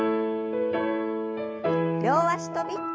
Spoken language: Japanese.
両脚跳び。